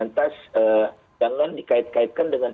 lantas jangan dikait kaitkan dengan